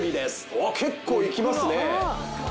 おっ結構いきますね。